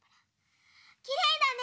きれいだね！